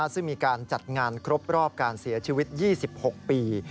ซึ่งมีการจัดงานครบรอบการเสียชีวิต๒๖ปี